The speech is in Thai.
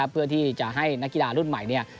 เพื่อที่จะให้นักกีฬารุ่นใหม่